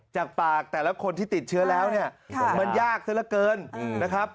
จากปากแต่ละคนที่ติดเชื้อแล้วเนี่ยมันยากซะละเกินนะครับ